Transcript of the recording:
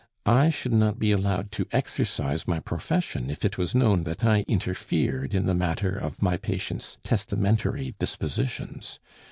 I should not be allowed to exercise my profession if it was known that I interfered in the matter of my patients' testamentary dispositions.